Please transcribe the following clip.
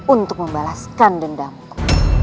untuk membalaskan dendamku